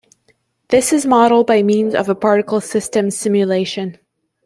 This is modelled by means of a particle system simulation.